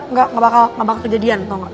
enggak gak bakal kejadian tau gak